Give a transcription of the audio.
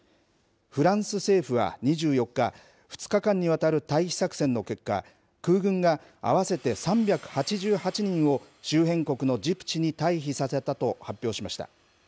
フランス政府は２４日、２日間にわたる退避作戦の結果、空軍が合わせて３８８人を周辺国のジブチに退避させたと発表しました。